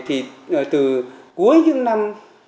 thì từ cuối những năm